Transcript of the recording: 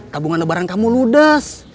tabungan lebaran kamu ludes